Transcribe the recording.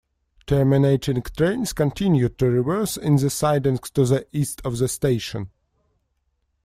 Terminating trains continued to reverse in the sidings to the east of the station.